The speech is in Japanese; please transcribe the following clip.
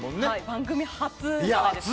番組初じゃないですかね。